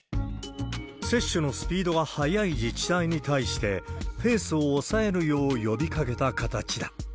接種のスピードが速い自治体に対して、ペースを抑えるよう呼びかけた形だ。